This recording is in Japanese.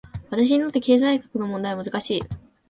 私にとって、経済学の問題は難しい。